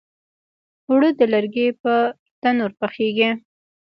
اوړه د لرګي پر تنور پخیږي